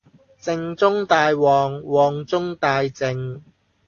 靜中帶旺，旺中帶靜